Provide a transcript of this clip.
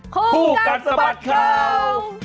คู่กัดสะบัดข่าว